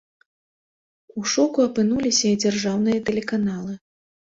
У шоку апынуліся і дзяржаўныя тэлеканалы.